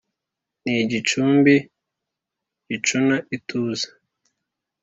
Ni igicumbi gicuna ituze,